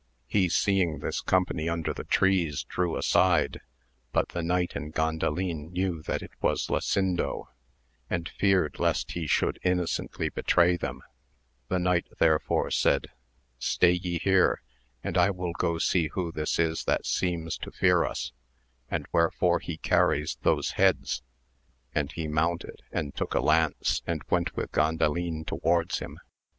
He seeing this company under the trees drew aside, but the knight and Gandalin knew that it was Lasindo, and feared lest he should innocently betray them ; the knight therefore said, stay ye here, and I will go see who this is that seems to fear us, and wherefore he carries those heads ; and he mounted and took a lance and went with Gandalin towards him.